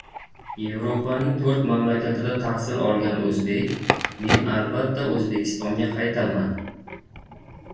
Yevropaning to‘rt mamlakatida tahsil olgan o‘zbek: «Men albatta O‘zbekistonga qaytaman»